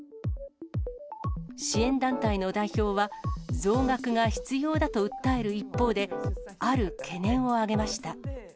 支援団体の代表は、増額が必要だと訴える一方で、ある懸念を挙げました。